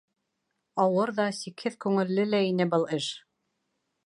Ауыр ҙа, сикһеҙ күңелле лә ине был эш.